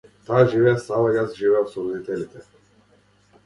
Таа живее сама, јас живеам со родителите.